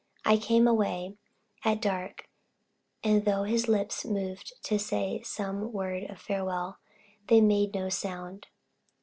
I came away at dark, and though his lips moved to say some word of farewell, they made no sound.